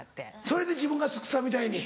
それで自分が作ったみたいに。